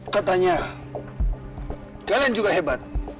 katanya kalian juga hebat